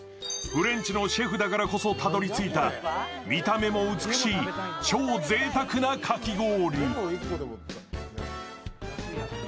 フレンチのシェフだからこそたどり着いた、見た目も美しい超ぜいたくなかき氷。